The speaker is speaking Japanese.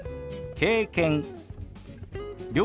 「経験」。